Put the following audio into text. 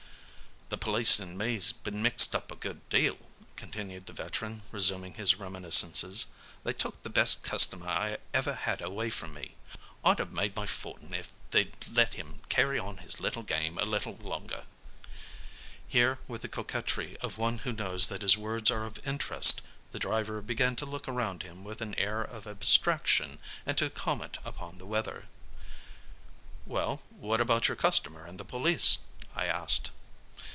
"The police and me's been mixed up a good deal," continued the veteran resuming his reminiscences: "They took the best customer I ever had away from me. I'd have made my fortin if they'd let him carry on his little game a while longer." Here, with the coquetry of one who knows that his words are of interest, the driver began to look around him with an air of abstraction and to comment upon the weather. "Well, what about your customer and the police?" I asked.